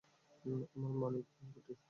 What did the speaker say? আমার মানিক, কুট্টি।